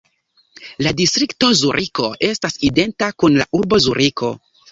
La distrikto Zuriko estas identa kun la urbo Zuriko.